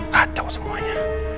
gak tau semuanya